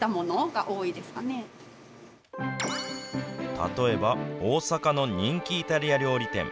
例えば、大阪の人気イタリア料理店。